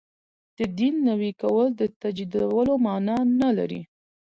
د دین نوی کول د تجدیدولو معنا نه لري.